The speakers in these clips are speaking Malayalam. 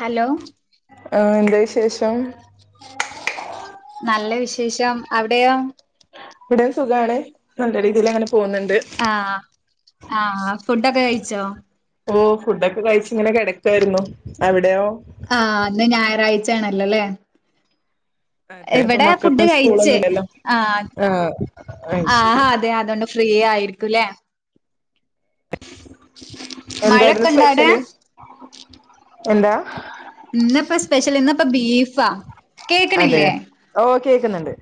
ഹലോ. ആഹ് എന്താ വിശേഷം. നല്ല, വിശേഷം, അവിടെയോ? ഇവിടെ, സുഖണ്, നല്ല, രീതിൽ, അങ്ങനെ, പോകുന്നുണ്ട്. ആഹഹ്, ഫുഡൊക്കെ, കഴിച്ചോ? ഓ, ഫുഡൊക്കെ, കഴിച്ചങ്ങനെ, കിടക്കായിരുന്നു, അവിടെയോ? ആ, ന്ന്, ഞായറാഴ്ചയാണല്ലോ, ല്ലേ. അതെ, ഇപ്പൊ ഇവിടെ, മക്കൾക്ക് ഫുഡ്, കഴിച്ച്, സ്കൂളൊന്നുംല്ലല്ലോ ആ, ആഹ് അത് ആ, ശരി അതെ, അതുകൊണ്ട്, ഫ്രീ, ആയി. ലരിക്കും, ല്ലേ, എന്തായിരുന്നു മഴൊക്കെണ്ടാടെ? സ്പെഷ്യല് എന്താ. ഇന്നപ്പ, സ്പെഷ്യൽ, ഇന്നപ്പ, ബീഫാ. അതെ, കേക്കണില്ലേ ഓ, കേക്കുന്നുണ്ട്.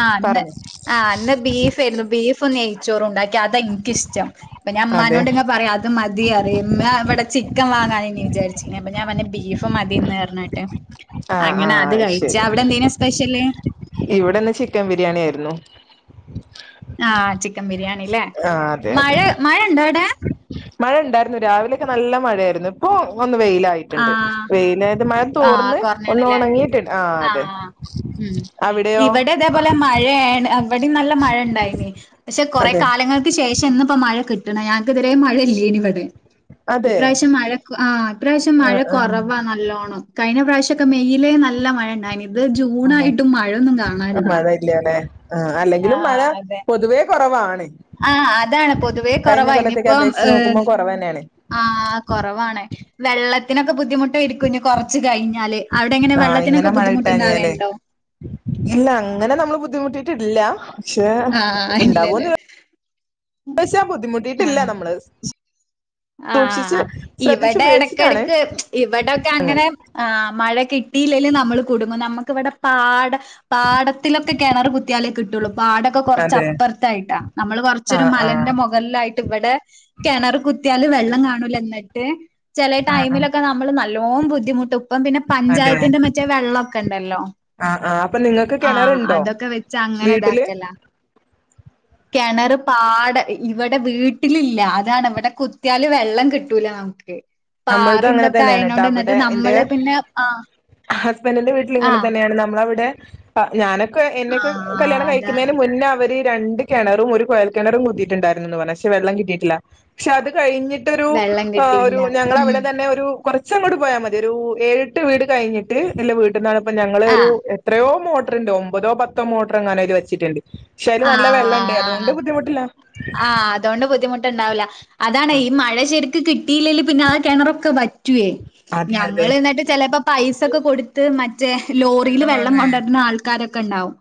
ആഹ്, ന്ന്, പറഞ്ഞോ ആഹ്, ന്ന്, ബീഫ്, ആയിരുന്നു, ബീഫും, നെയിച്ചോറ്, ഉണ്ടാക്കി. അതെ, എനിക്ക, ഇഷ്ടം, പിന്നെ, അതെ അമ്മാനോട്, ഇങ്ങെ, പറയാം, അത് മതിയറമ്മ, ഇവിടെ ചിക്കൻ, വാങ്ങാൻീ, വിചാരിരിക്കേ, അപ്പൊ, ഞാൻ, വന്ന, ബീഫ് മതിന്ന്, പറഞ്ഞിട്ട്. ആഹ് അങ്ങനെ, അത്, ആഹ് കഴിച്ച, ശരി അവിടെ, എന്തേനാ, സ്പെഷ്യല്? ഇവിടെന്ന് ചിക്കൻ, ബിരിയാണി, ആയിരുന്നു. ആഹ, ചിക്കൻ ബിരിയാണില്ലേ, ആഹ് അതെ മഴ, അതെ മഴ, ഉണ്ടോ, അവിടെ? മഴ, ണ്ടായിരുന്നു, രാവിലൊക്കെ, നല്ല, മഴയായിരുന്നു, ഇപ്പൊ, ഒന്ന്, വെയില, ആയിട്ടുണ്ട്, ആഹ് വെയിലായത് മഴ, ആഹ് തോർന്ന്, ഒന്ന്, കൊറഞ്ഞാണ്ല്ലേ? ഉണങ്ങിട്ടുണ്ട്, ആ, അതെ, ആഹ് അവിടെയോ? അവിടെ, നല്ല, മഴ ഉണ്ടായിന, പക്ഷെ കൊറെ, അതെ കാലങ്ങൾക്ക്, ശേഷം, ഇന്ന്, ഇപ്പോ, മഴ, കിട്ടി ട്ട്ണെ, ഞങ്‌ക്കിത്വരെ, മഴയല്ലേനിവിടെ. അതെ ഇപ്രാവശ്യം, മഴ, ആ, ഇപ്രാവശ്യം, മഴ ആഹ് കൊറവാ, നല്ലോണ്ണം. കഴന, പ്രാവശ്യംക്കെയിലേ, നല്ല, മഴയണ്ടായി അത്, ആഹ് ജൂണായിട്ടും, മഴയൊന്നും, ആഹ് കാണാനില്ല, മഴ ഇല്ലല്ലേ ആഹ് ആ, അല്ലെങ്കിലും മഴ അതെ. പൊതുവേ കുറവാണ് ആഹ, അതാണ്, പൊതുവേ, കഴിഞ്ഞ കുറവാ, കൊല്ലത്തേക്ക് ഇനിയിപ്പം, ഏ അപേക്ഷിച്ച് നോക്കുമ്പോ കുറവ് തന്നെയാണ് ആഹ, കൊറവാണ്, വെള്ളത്തിന ക്കെ, ബുദ്ധിമുട്ട് ഇരിക്കുംഞ്ഞ, കുറച്ച്, കഴിഞ്ഞാല്, അവിടെ, എങ്ങനെ, ആഹ് ഇങ്ങനെ വെള്ളത്തിനൊക്ക, മഴ കിട്ടാഞ്ഞാലേ ബുദ്ധിമുട്ട്ണ്ടാവേണ്ടോ ഇല്ല, അങ്ങനെ, നമ്മള് ബുദ്ധിമുട്ടിട്ടില്ല, പക്ഷെ, ആഹ് ഇല്ലല്ലേ ഉണ്ടാവുമന്ന് പശ, ബുദ്ധിമുട്ടിട്ടില്ല, നമ്മള്. ആഹ, സൂക്ഷിച്ച് ശ്രദ്ധിച്ച് ഇവിടെ, ഉപയോഗിച്ചിട്ടാണ് ഇടക്കിടക്ക്, ഇവിടെക്കെ, അങ്ങനെ, ആ, മഴ, കിട്ടി കുട്ടില്ലെങ്കിൽ, നമ്മള്, കൊടുങ്ങും, നമുക്കിവിടെ, പാട പാടത്തിലൊക്കെ, കിണർ, കുത്തിയാലേ, കിട്ടുള്ളൂ, പാടൊക്കെ, കുറച്ച് അതെ അപ്പുറത്തായിട്ടാ, നമ്മൾ, കുറച്ചൊരു ആഹ് ആഹ് ന്റെ, മുകളിലായിട്ട്, ഇവിടെ കിണർ, കുത്തിയാല്, വെള്ളം, കാണൂല, എന്നിട്ട് ചില, ആഹ് ആഹ് ടൈമിലൊക്കെ, നമ്മള്, നല്ലോ, ബുദ്ധിമുട്ട്, ഇപ്പം, പിന്നെ, പഞ്ചായത്തിന്റെ, മറ്റേ വെള്ളമൊക്കെ, ഉണ്ടല്ലോ ആ, ആ, അപ്പൊ, നിങ്ങക്ക്, കിണറുണ്ടോ, വീട്ടില് കിണറ്, പാട, ഇവിടെ, വീട്ടിലില്ല, അതാണ്, ഇവിടെ കിയല് വെള്ളം കിട്ടൂല നമക്ക് നമ്മൾത് അങ്ങനെ പാറിന്തൊക്കെ തന്നെയാണ് ട്ടോ ആയനൊണ്ട് എന്നിട്ട് അവിടെ എന്റെ നമ്മള് പിന്നെ ആ ഹസ്ബൻഡിന്റെ വീട്ടിൽങ്ങനെ തന്നെയാണ് നമ്മള അവിടെ ആ ഞാനൊക്കെ എന്നൊക്കെ ആഹ് കല്യാണം അതാണ് കഴിക്കുന്നതിന് മുന്നേ അവര് രണ്ട് കിണറും ഒരു കോയൽ കിണറും കുത്തിയിട്ടുണ്ടായിരുന്നുന്ന് പറഞ്ഞ പെള്ളം കിട്ടിയിട്ടില്ല പക്ഷെ അത് കഴിഞ്ഞിട്ട് ട്ടൊരു വെള്ളം ഏ ഒരു കിട്ടിയില്ല. ഉം അവിടെ തന്നെ ഒരു കുറച്ചും കൂടി പോയാൽ മതി ഒരു ഏഴട്ട് വീട് കഴിഞ്ഞിട്ട്ല്ല വീ കിാണ് ഇപ്പോ ഞങ്ങള് ഒരു ആഹ് എത്രയോ മോട്ടർണ്ട് ഒമ്പതോ പത്തോ മോട്ടർോ അങ്ങനെത് വെച്ചിട്ടുണ്ട് ശരി നല്ല വെള്ളംണ്ട് അതുകൊണ്ട് ബുദ്ധിമുട്ടില്ല ആ അതുകൊണ്ട് ബുദ്ധിമുട്ടുണ്ടാവില്ല അതാണ് ആ ഈ മഴ ശെരുക്ക് കിട്ട കട്ടീല്ലല് പിന്നെ ആ കിണറൊക്കെ പറ്റുവേ അതെ ഞങ്ങൾ അതെ എന്നിട്ട് ചിലപ്പോ പൈസൊക്കെ കൊടുത്ത് മറ്റേ ലോറിൽ വെള്ളം കൊണ്ടുവരുന്ന ആൾക്കാരൊക്കെ ണ്ടാവും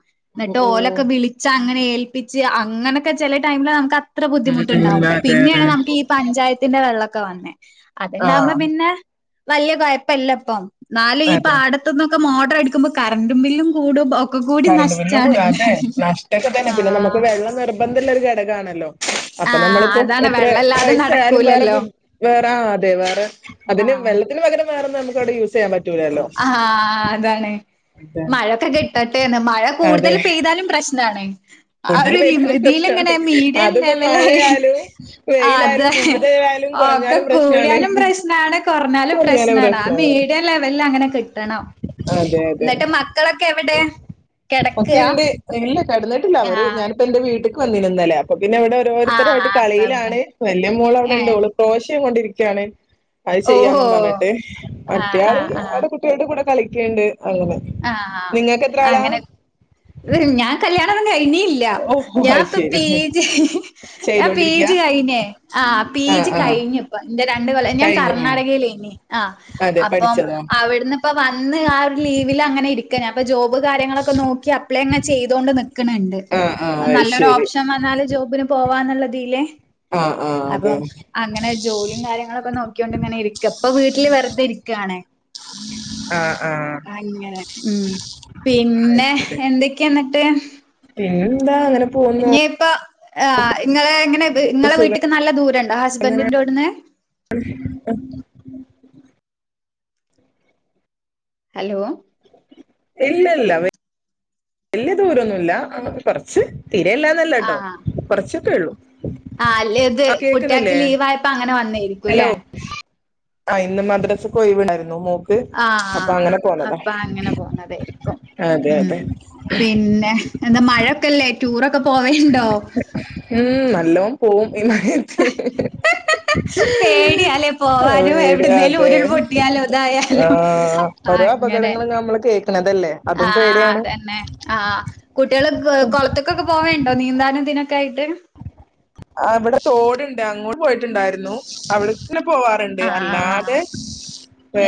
ഓ എന്നിട്ട് ഓ ഓലൊക്കെ വിളിച്ച അങ്ങനെ ഏൽപ്പിച്ച് അങ്ങനൊക്കെ ചെലെ ടൈമില് ന അത്ര ഉം ബുദ്ധിമുട്ടുണ്ടാവും ഉം അതെ പിന്നെയാണ് അതെ നമുക്ക് ഈ പഞ്ചായത്തിന്റെ വെള്ളക്കെ വന്നേ അത്ണ്ടകുമ്പോ ആഹ് പിന്നെ വലിയ കുഴപ്പല്ലപ്പം നാലും ഈ അതെ പാടത്തന്നും മോട്ടർ എടുക്കുമ്പോ കറും ബില്ലും കൂടും ഒക്കെ കൂടി കറണ്ട്ല്ലും കൂട അതെ നഷ്ടാണ് നഷ്ടൊക്കെ തന്നെ പിന്നെ നമുക്ക് ആഹ് വെള്ളം നിർബന്ധള്ള ഒരു ഘടകമാണല്ലോ അപ്പൊ ആഹ് നമ്മളിപ്പോ അതാണ് എത്ര വെള്ളല്ലാതെ പൈസ ആയാലും വേറെ നടക്കൂലല്ലോ വേറെ അതെ വേറെ അതിന് വെള്ളത്തി പകര വേറൊന്നും നമക്കാടെ യുസ് ആ അതാണ് അതെ മഴൊക്കെ കെട്ടട്ടെ മഴ കൂടുതൽ അതെ പെയ്താലും പ്രശ്നാണ് കൂടുതൽ അവര് പെയ്താലും പ്രശ്നമാണ് ദീലങ്ങ്നെ ഇഡിയൻ അതിപ്പോ ലവല്ല മഴയായാലും ആ വെയിലായാലും അതെ കൂടുതലായാലും ഒക്കെ കുറഞ്ഞാലും പ്രശ്നമാണ് കൂടിയാലും പ്രശ്നണ് കുറഞ്ഞാലും പ്രശ്നണ് മീഡിയ ലെവല് അങ്ങനെ കിട്ടണം എന്നിട്ട് മക്കളൊക്കെ എവിടെ കിടക്കാ ഒക്കെണ്ട് ഇല്ല കടന്നിട്ടില്ല അവര് ആഹ് ഞാനിപ്പ എന്റെ വീട്ടക്ക് വന്നിന്നല്ലേ അപ്പൊ പിന്നെ ഇവിടെ ആഹ് ഓരോരുത്തരായിട്ട് അപ്പ ഇവിടെ കളിയിലാണ് വലിയ മോൾ അവിടെ ഉണ്ടൂ ഏഹ് ക്രോശം കൊണ്ടിരിക്കുകയാണ് അത് ഓഹോ ചെയ്യാന്നും പറഞ്ഞിട്ട് ആഹ് മറ്റേയാള് ആഹ് ആഹ് അടെ കുട്ടികളട് കൂടെ കളിക്കണ്ട് അങ്ങനെ ആഹ് നിങ്ങക്ക് എത്ര ആളാ ഞ ഓ ഞ അത് ക ശരി ചെയ്തോണ്ടിരിക്ക ആ ജ് ആ കഴിഞ്ഞ ഇപ്പ എന്റെ രണ്ടു വലം ഞാൻ കഴിഞ്ഞു ആ കർണ്ണാടകയിലേന്നേ ആ അതെ അപ്പം പഠിച്ചതോ അവിടുന്ന് ഇപ്പ വന്ന് ആ ഒരു ലീവ് അ ജോബ് കാര്യങ്ങളൊക്കെ നോക്കി അപ്ലേ അങ്ങനെ ചെയ്തൊണ്ട് നിക്കണണ്ട് ആ ആ അത് നല്ലൊരു ശരി ഓപ്ഷൻ വന്നല് ജോബിന് പോവാന്നുള്ളതില്ലേ ആ ആ അപ്പൊ അതെ അങ്ങനെ ജോലിയും കാര്യങ്ങളൊക്കെ നോക്കിണ്ട് ഇങ്ങനെ ഇരിക്ക ഇപ്പൊ വീട്ടില് വെറുതെ ഇരിക്കയാണ ആ ആ അങ്ങെ ഉം അത് പിന്നെ ശരി എന്തൊക്കെയാ എന്നിട്ട് പിന്നെന്താ അങ്ങനെ പോന്നു ഇനിയിപ്പ ആ ഇങ്ങളെ എങ്ങനെ നിങ്ങളെ വീട്ടക്ക് നല്ല ദൂരണ്ടോ ഹസ്ബൻഡിന്റെറോടന്ന് ഹലോ ഇല്ല ഇല്ല വലിയ ദൂരംന്നുമല്ല കുറച്ച് തീരല്ലന്നല്ല കേട്ടോ കുറച്ചൊക്കെ ഉള്ളൂ ആ അല്ലത് കുട്ടികക്ക് ലീവ് ആയപ്പോ അങ്ങനെ വന്നേരിക്കൂല്ലേ ഹലോ ആ ഇന്ന് മദ്രാസക്ക് പോയി വീണായിരുന്നു മ ആ അപ്പൊ അങ്ങനെ പോന്നതായിരിക്കും അതെ ഉം അതെ പിന്നെ എന്താ മഴൊക്കല്ലേ ടൂറൊക്കെ പോവേണ്ടോ? ഉം നല്ലോണം പോവും ഇന്നായി പേടിയാല്ലേ അ പോവാനും എവിടുന്നേലും ഇടുകതെ ഉരുൾപൊട്ടിയാലോ ആ ഇതായാലോ ഓരോ അങ്ങനെ അപകടങ്ങളും നമ്മൾ കേൾക്കണതല്ലേ അതും പേടിയാണ് ആഹ കുട്ട്യള് ക് കൊൾത്തക്കൊക്കെ പോവേണ്ടോ നീന്താനും തിനൊക്കെആയിട്ട് ആ വടെ തോട്ണ്ട് അങ്ങോട്ട് പോയിട്ടുണ്ടായിര്ന്നു അവള് ന്നെ പോവാറുണ്ട് അല്ലാതെ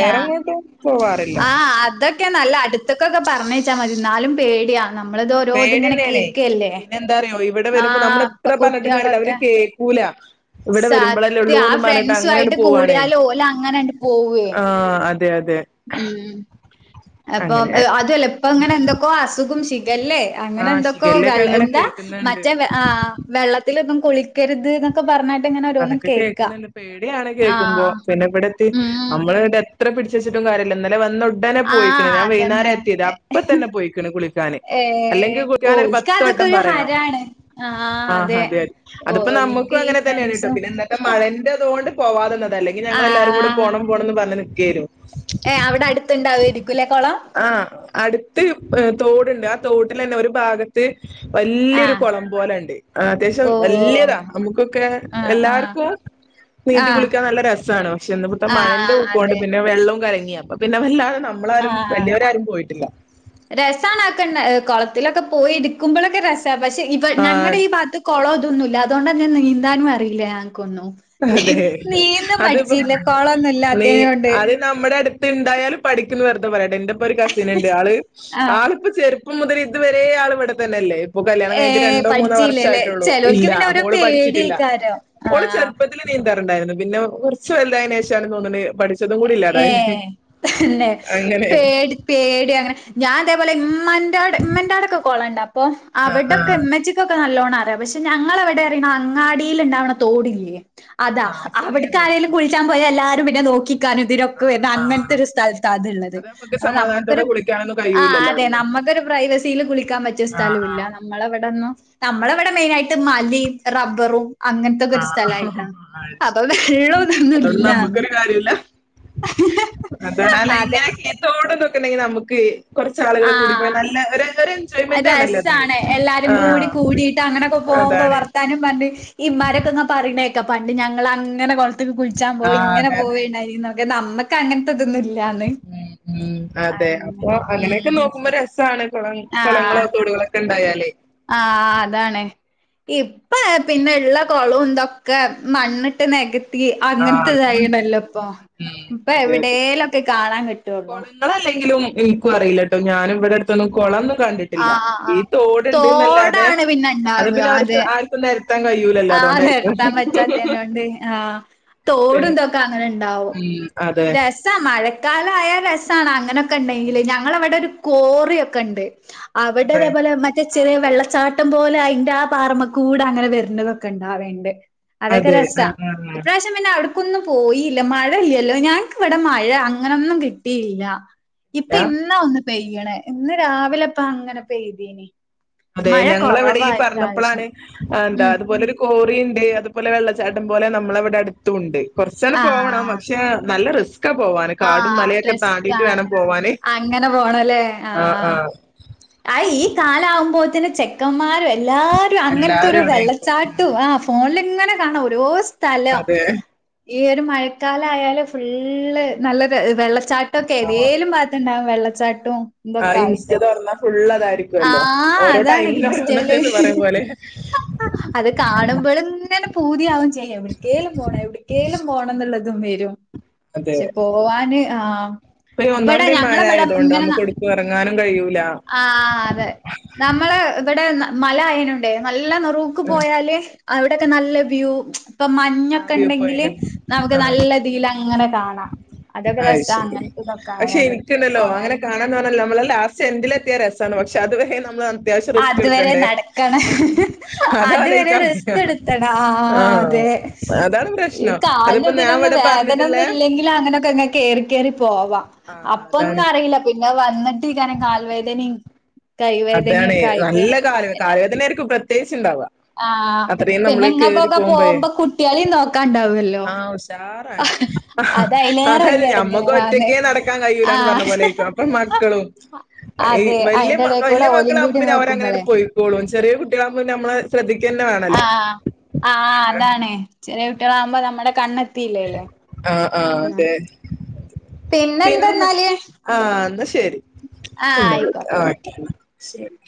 എആഹ് പോവാറില്ല ആ അതൊക്കെ നല്ല അടു ത്തൊക്കൊക്കെ പറഞയ്ച്ചാ മതി ന്നാലും പേട്യാ നമ്മളിത് ഓരോ ത്ങ്ങനെ പേടിന്നേണേ കേക്കല്ലേ പിന്നെ എന്താ അറിയോ ഇവിടെ വരുമ്പോ ആഹ നമ്മൾ പ്പൊ എത്ര പറഞ്ഞിട്ടും കാര്യല്ല അവര് കുട്ട്യാളൊക്കെ കേക്കൂല ഇവിടെ വരുമ്പോഴല്ലേ സത്യ ആ ഉള്ളൂന്ന് പറഞ്ഞിട്ട് അങ്ങനെയണ്ട് ഫ്രണ്ട്സുആയിട്ട് പോവാണേ കൂട്യാല് ഓലങ്ങനണ്ട് പോവേ ആഹ് അതെ അതെ ഉം അപ്പൊ അങ്ങനെ അ അതുവല്ല ഇപ്പ ങ്ങനെ എന്തൊക്കോ അസുഖും ശി ഗല്ലേ ആഹ് അങ്ങനെന്തൊക്കോ ശിഖല്ലൊക്കെ വെൾ അങ്ങനെ എന്താ കേൾക്കുന്നുണ്ട് മറ്റേ വെ ആ വെള്ളത്തിലൊന്നും കുളി അതൊക്കെ കേക്ണണ്ട് പേട്യാണ് കേക്കുമ്പോ ആഹ് പിന്നെ ബടെത്തി ഉം നമ്മള്ങ്ങട് എ ത്ര പിടിച്ചച്ചിട്ടുകാര്യല്ല ന്നലെ വന്ന ടനെ പോയിക്ണ് ആഹ് ഞൻ വൈന്നാര അതന്നെ എത്ത്യത് അപ്പതന്നെ പോയിക്കണ് കുളിക്കാന് ഏ അല്ലെങ്കിൽ കു ഞാനൊരു ഓൽക്ക് പത്ത് വ അതൊക്കെ ടം ഒരു പറ്യണം ഹരാണ് ആഹ് ആ അതെ ഹതെ അത് പ്പം നമുക്കു ഓൽക്ക് ഈ അങ്ങനെ തന്നെയാണ് ട്ടൊ ഫ്രണ്ട്സും പിന്നന്നത്തെ മഴൻന്റെതോണ്ട് പോവാതന്നത അല്ലെങ്കി ഞങ്ങളെല്ലാരുങ്കൂടെ ആഹ് പോണം പോണം ന്ന് പറഞ്ഞഞ് നിക്ക്യേനി ഏ അവിടെ അടുത്തണ്ടാവര്ക്കു ലെ കൊളം അട്ത്ത് അ് തോടുണ്ട് ആ തോട്ടിലെന്നെ ഒരു ഭാഗത്ത് വല്ല്യരു ആഹ് കൊളം പോലെണ്ട് ആ അത്യാവശ്യം ഓ വല്യതാ നമുക്കൊക്കെ ആഹ് ആഹ് എല്ലാർക്കും നീന്തി ആഹ് കുളിക്കാൻ നല്ല രസാണ് പക്ഷെ ഇന്ന്ബത്തെ മഴന്റെ ആഹ് ഉൂക്കോണ്ട് അതെ പിന്നെ വെള്ളും കലങ്ങി അ അപ്പ പിന്നെ വല്ലാ ആഹ അ രസാണ വക്കെന്നെ ആ കൊള തിലൊക്കെ പോയി ഇര്ക്കുമ്പോളൊക്കെ രസാ പക്ഷെ ഇബ ആഹ് ഞങ്ങടെ ഈ ഭാത്ത് കൊളൊ തൊന്നുല്ല അതൊണ്ടെന്നെ നീന്താനും അറീല കൊന്നു നിഹ് അതെ നീന്തം അതിപ്പോ പട്ച്ചില്ല കൊളൊന്നുല്ലാത്തിനോണ്ട് പെന്തായാലും പഠിക്ന്ന് വെർതെ പറയാട്ടൊ ഇന്റെപ്പരു കസിന്ണ്ട് ആള് ആഹ് ആള്പ്പോ ചര് പ്പം മുതൽ ഇതുവരേ ആൾ ഇവിടെ തന്നെല്ലേ പ്പൊ ഏ കല്യാണംകൈഞ്ഞിട്ട് രണ്ടോ മൂന്നോ പഠിച്ചീലല്ലേ? വർഷായിട്ടൊള്ളൂ. ചെലോൽക്ക് ഇല്ല പിന്നെ ഓരോ ഹോള് പഠിച്ചിട്ടില്ല പേടിയേക്കാരം. ഓള് ആഹ് ചെർ നീന്താറുണ്ടായിരുന്നു പിന്നെ കൊർച്ച് വൽതായിനേശാണ് തോന്നണ് പഠി ഏ ഹ് ന്നെ അങ്ങനെയാണ് പേടി പേടി അങ്ങനെ ഞാൻതേപോലെ ഇം... മൻ്റെടെ മ്മൻ്റെടൊക്കെ കൊളണ്ട് അപ്പോ ആ ആ അവിടൊക്കെമ്മച്ചിക്കൊക്കെ നല്ലോണം ന്നാറ്യ പക്ഷെ ഞങ്ങളവടെറിണ് അങ്ങാടീല്ണ്ടാവ്ണ തോടില്ലേ അതാ ആ ചെറിയ തോട് അവിട്ക്കാരേലും കുൾച്ചാൻ പോയാ എല്ലാരും പിന്നെ നോക്കി കനും ആ തിനൊക്കെ വര്ന ആ അങ്ങനത്തെരു സ്ഥൽത്താ ത്ള്ളത് അത് നമുക്ക് അപ്പൊ സമാധാനത്തോടെ നമക്കൊരു കുളിക്കാനൊന്നും ആ കഴിയൂലല്ലോ അതെ അവിടുന്ന് നമ്മ അതൊരു പ്രൈവസില് കുളിക്കാ പറ്റിയ ആ ആ സ്ഥലൂല്ല നമ്മളവിടന്നും നമ്മളവടെ മെയിനായ്ട്ട് മല്ലിം റബ്ബറും ആ ആ, അങ്ങൻത്തൊക്കെര് സ്ഥലായിട്ടാ അത് അപ്പൊ ശരി വെള്ളതൊന്നും ഇല്ല അതണാല അതെ ഇങ്ങനെ ഈതോടു തൊക്കെണ്ടങ്കി നമുക്ക് കൊർച്ചാളുകളും കൂടിപ്പോയി ആഹ് നല്ല ഒരു ഒര് രസാണ് എല്ലാരുംകൂടി കൂടിട്ട് അങ്ങനൊക്കെ പോവുമ്പോ അതാണ് വർത്താനും പർഞ് ഈ മാരൊക്കെങ്ങ പറിണേക്കാ പണ്ട് ഞങ്ങളങ്ങനെ കൊൾത്ത്ല് ആ കുൾച്ചാൻപോയ് ങ്ങനെ അതെ പോയി [unintelligible] അതെ പോവേണ്ടായിരിക്ക നമ്മക്ക് അങ്ങൻത്തെ ഉ ഉ അതെ അപ്പൊ അങ്ങനെ ഉം അങ്ങനെക്കെ നോക്കുമ്പോ ര.. സാണ് കുള ആഹ് കുളങ്ങളോ തോടുകളൊക്കെണ്ടായാൽ ഇപ്പാ പിന്നെള്ള കൊളും തൊക്കെ മണ്ണ്ട്ട് നെക ട്ടീ ആ അതുണ്ട് അങ്ങൻത്തതായിണല്ലോ പ്പം പ്പൊ എവിടടേലുക്കെ കാണാൻ കി കൊളങ്ങളല്ലെങ്കിലും ഇൻക്കു അറീലട്ടോ ഞാനും ഇവട ട്ത്തൊന്നും കൊളം ന്ന് കണ്ടിട്ടില്ല ആഹ് ആഹ് ഈ ആഹ് തോട്ണ്ട്ന്നല്ലാതെ തോടാണ് പിന്നെ അത് ഇണ്ടാവ പിന്നെ അവർക്ക് അതെ ആർക്കു നേര ത്താൻ കഴൂലല്ലോ ആഹ് അതോണ്ടായിരിക്കും നിർത്താൻ പറ്റാത്തേനോണ്ട് ആഹ് തോടും തൊക്കെ അങ്ങനണ്ടാവും അതെ രസ മഴ കാലായാൽ രസാണ് അങ്ങനെക്കെ ണ്ടെങ്കില് ഞങ്ങളവിടെരു കോറിയൊക്കെണ്ട് അതെ അവിടതേപോലെ മറ്റേ ആ ചെറിയ കോറി വെള്ളച്ചാട്ടം പോലെ അതിന്റെ ആ പാറമ്മ കൂടെ അങ്ങനെ വരുന്നത്. ഉണ്ടണ്ട് അതൊക്കെ അതെ രസ ആ ആ ആ പിന്നെ അ ഞനക്കൊന്നും പോയില്ല മഴ ഇല്ലല്ലോ ഞങ്ങക്ക് ഇവിടെ മഴ അങ്ങനൊന്നും കിട്ടിയില്ല. ഇപ്പൊ യാ. ഇന്നാ ഒന്ന് പെയ്യണേ ഇന്ന് രാവിലെപ്പ അങ്ങനെ പെയ്തീന്. അതെ ഞങ്ങള എവിടെ ഈ പറഞ്ഞപ്പോളാണ്. എന്താ ഉം അതുപോലെരു. കോറിണ്ട് അതുപോലെ വെള്ളച്ചാട്ടം പോലെ നമ്മള അവിടെ അടുത്തുംണ്ട്. കുറച്ച ആട് പോവണം പക്ഷെ നല്ല റിസ് ആസ് വേണം പോവാന് അങ്ങനെ പോണല്ലേ ആ ആഹ. ആ അ ഈ കാലാവുമ്പോത്തെ ചെക്കന്മാര്. എല്ലാരും അങ്ങനത്തെരു എല്ലാരും അവിടെക്കും ഉം വെള്ളച്ചാട്ടും. ആ ഫോണില് എങ്ങനെ കാണാം ഓരോ സ്ഥലം അതെ ഈ ഒരു മഴക്കാലയാല ഫുള്ള് നല്ല വെള്ള ള്ളച്ചാട്ടൊക്കെ ആ ഏതേങ്കലും പാത്തുണ്ടാവും വെള്ളച്ചാട്ടും. ആ ഇതൊക്കെ ഇൻസ്റ്റ ആയിട്ട്. തുറന്നാ ഫുള്ള് അതായിരിക്കുവല്ലോ ആഹ ഓരോ അതാണ് ടൈമിന് ഇൻസ്റ്റയില്. ഓരോന്നാണെന്ന് പറയും പോലെ ആ അത് കാണുമ്പോഴും ഇങ്ങനെ പൂതിയാവുംയും ചെയ്യാം എവിടരിക്കേലും പോണം. എവിടക്കേലും പോണം. എന്നുള്ളത്. ഇ വരും അതെ പക്ഷെ പോവാന് ആഹ ഇപ്പൊ ഈ ഇവിടെ ഒന്നാമത് ഈ ഞങ്ങള മഴ ഇവിടെ ആയതുകൊണ്ട് ഇങ്ങനെ നമുക്ക് ഒടുക്കും ഇറങ്ങാനും കഴിയൂല ആ അതെ? നമ്മള് ഇവിടെ മല ആയനണ്ടേ നല്ല നറുക്ക് ഉം പോയാല്. അവിടെൊക്കെ നല്ല വ്യൂ. ഇപ്പൊ ആ മഞ്ഞൊക്കെ വ്യൂ ഉണ്ടെങ്കില്. പോയിന്റ് നമുക്ക് നല്ല രീതിൽ അങ്ങനെ കാണാം. അതൊക്കെ അ രസാ ശരി അങ്ങനത്തെ ഇതൊക്കെ പക്ഷെ ആയാല് എനിക്കണ്ടല്ലോ. അങ്ങനെ പോയാല്. കാണാന്ന് പറഞ്ഞല്ലോ. നമ്മളെ ലസ ല എത്തിയ രസമാണ് പക്ഷെ അത് വ നമ്മള് അത്യാവശ്യം റിസ്ക് അതുവരെ എടുക്കണ്ടേ. നടക്കണം അതുവരെ അതലയിക്ക വയ റെസ്റ്റ് എടുത്തണം ആ ആഹ അതെ അതാണ്. ഈ പ്രശ്നം അതിപ്പോ ഞാൻ കാലിനടൊന്നും ഇവിടെ വേദനൊന്നും പറഞ്ഞിട്ടില്ലേ ഇല്ലെങ്കിലിൽ. അങ്ങനെൊക്കെ ഇങ്ങെ കറി കയറി പോവാ ആ അപ്പൊ അതാണ് ഒന്നും അറിയില്ല പിന്നെ വന്നിട്ട് ഇങ്ങനെ കാൽവേദനയും കൈവേദനയും അതാണ് ഒക്കെ ആയിട്ട് നല്ല കാല് പിന്നെ കാലുവേദന ആയിരിക്കും പ്രത്യേകിച് ഉണ്ടാവുക. ആ അത്രയും പിന്നെ നമ്മള് കേറി ഇങ്ങക്കൊക്കെ പോകുമ്പ പോകുമ്പോ കുട്ടികളെയും നോക്കാണ്ടാവുമല്ലോ ആ ഉഷ അത് അയിലേറെ അതായ വല്യ ഞമ്മക്ക് എടങ്ങേറാന്ന് ഒറ്റക്കേ നടക്കാൻ ആ കഴുലന്ന് പറഞ്ഞ പോലെക്കും അപ്പൊ മക്കളും അതെ അയിന്റെടെ വല്ല്യ മക്കളാകുമ്പന്നെ അവരങ്ങ്ട് പോയിക്കൊളും ചെറിയ കുട്ടികളകുമ്പോന്നെ നമ്മ ശ്രദ്ധിക്ക അ ആ ഹ ആഹ അതാണ് ചെറി കുട്ടികളാവുമ്പോ നമ്മുടെ കണ്ണെത്തില്ലേലൊ ആഹ ആഹ അതെ പിന്നെന്തെന്നാല് അ എന്നാശെരി പിന്ന വിളിക്ക ഓകെ ശെരി.